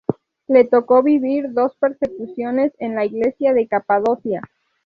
Le tocó vivir dos persecuciones en la Iglesia de Capadocia.